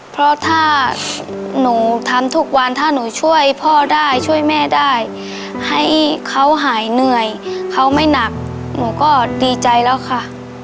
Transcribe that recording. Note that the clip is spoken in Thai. เพราะถ้าหนูทำทุกวันถ้าหนูช่วยพ่อได้ช่วยแม่ได้ให้เขาหายเหนื่อยเขาไม่หนักหนูก็ดีใจแล้วค่ะ